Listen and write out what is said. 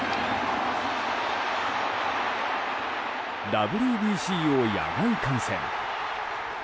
ＷＢＣを野外観戦。